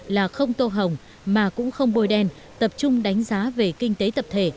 là không tô hồng mà cũng không bôi đen tập trung đánh giá về kinh tế tập thể